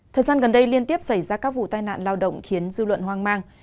thời gian gần đây liên tiếp xảy ra các vụ tai nạn lao động khiến dư luận hoang mang